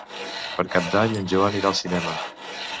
Per Cap d'Any en Joan irà al cinema.